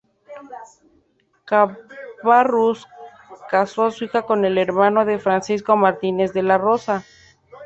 Cabarrús casó a su hija con el hermano de Francisco Martínez de la Rosa.